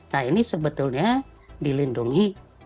nah ini sebetulnya dilindungi